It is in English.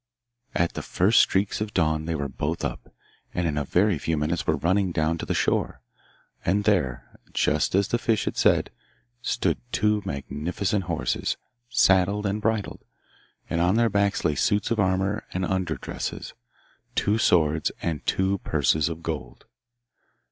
At the first streaks of dawn they were both up, and in a very few minutes were running down to the shore. And there, just as the fish had said, stood two magnificent horses, saddled and bridled, and on their backs lay suits of armour and under dresses, two swords, and two purses of gold.